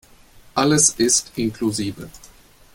Alles ist inklusive.